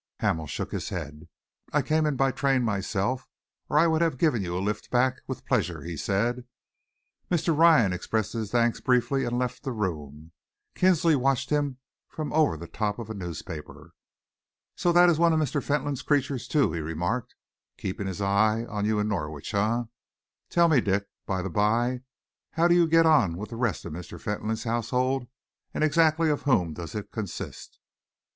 Hamel shook his head. "I came in by train myself, or I would have given you a lift back, with pleasure," he said. Mr. Ryan expressed his thanks briefly and left the room. Kinsley watched him from over the top of a newspaper. "So that is one of Mr. Fentolin's creatures, too," he remarked. "Keeping his eye on you in Norwich, eh? Tell me, Dick, by the by, how do you get on with the rest of Mr. Fentolin's household, and exactly of whom does it consist?"